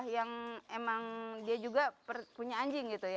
yang emang dia juga punya anjing